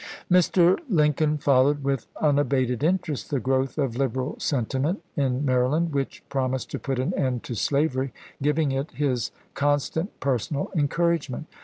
jVIr. Lincoln followed with unabated interest the growth of liberal sentiment in Maryland which promised to put an end to slavery, giving it his constant personal encouragement.